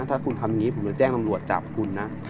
ถ้าคุณทำอย่างนี้ผมจะแจ้งตำรวจจับคุณนะ